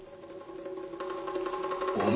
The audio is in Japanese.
お前